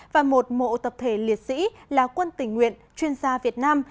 và một mộ tập thể liệt sĩ là quân tình nguyện chuyên gia việt nam